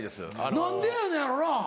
何でやのやろな？